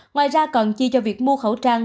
ngoài ra còn chi cho việc mua khẩu trang